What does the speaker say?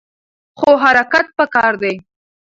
خو حرکت پکار دی.